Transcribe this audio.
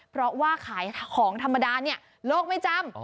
เพราะว่าขายของธรรมดาเนี่ยโลกไม่จำ